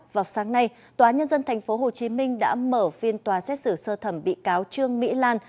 vào sáng nay tòa nhân dân tp hcm đã mở phiên tòa xét xử sơ thẩm bị cáo trương mỹ lan